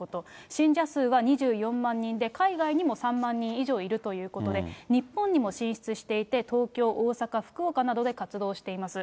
信者数は２４万人で、海外にも３万人以上いるということで、日本にも進出していて、東京、大阪、福岡などで活動しています。